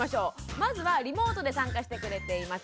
まずはリモートで参加してくれています